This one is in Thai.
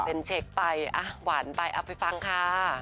เป็นเช็คไปหวานไปเอาไปฟังค่ะ